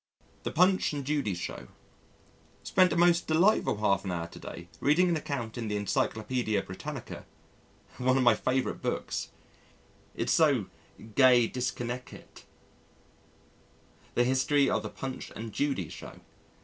The Punch and Judy Show Spent a most delightful half an hour to day reading an account in the Encyclopædia Britannica (one of my favourite books it's so "gey disconnekkit") the history of the Punch and Judy Show.